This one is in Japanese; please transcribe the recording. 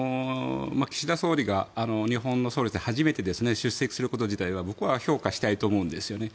岸田総理が日本の総理として初めて出席すること自体は僕は評価したいと思うんですね。